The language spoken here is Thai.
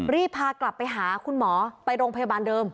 รีบพากลับไปหาคุณหมอไปโรงพยาบาลเดิม